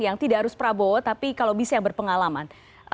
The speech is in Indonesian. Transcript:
yang tidak harus prabowo tapi kalau bisa yang berpengalaman